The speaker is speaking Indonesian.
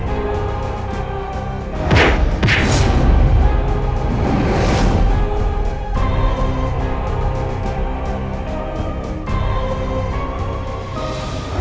sejak kapan kalian menjadi kekasih